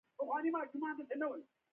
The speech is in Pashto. قلم د زده کړې زینه ده